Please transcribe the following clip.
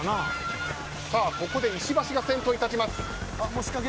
ここで石橋が先頭に立ちます。